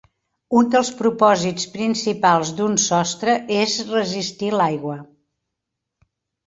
Un dels propòsits principals d'un sostre és resistir l'aigua.